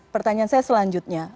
pertanyaan saya selanjutnya